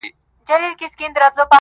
د تورو زلفو په هر تار راته خبري کوه.